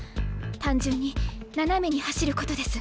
単純に斜めに走ることです。